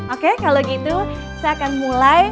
oke kalau gitu saya akan mulai